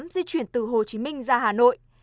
di chuyển từ hồ chí minh ra hà nội